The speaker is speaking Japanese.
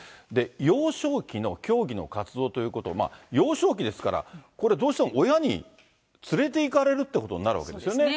幼少期の教義の活動ということ、幼少期ですから、これ、どうしても親に連れていかれるっていうことになるわけですよね。